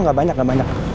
enggak banyak gak banyak